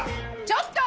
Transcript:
ちょっと！